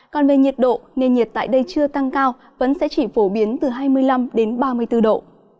còn về nhiệt độ nền nhiệt tại đây chưa tăng cao vẫn sẽ chỉ phổ biến từ hai mươi năm ba mươi bốn độ